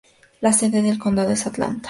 La sede del condado es Atlanta.